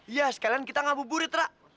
ya sekalian kita ngabuburit ra